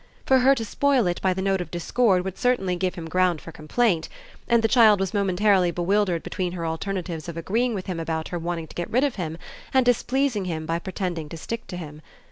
For her to spoil it by the note of discord would certainly give him ground for complaint; and the child was momentarily bewildered between her alternatives of agreeing with him about her wanting to get rid of him and displeasing him by pretending to stick to him.